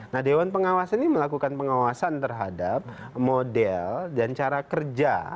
nah dewan pengawas ini melakukan pengawasan terhadap model dan cara kerja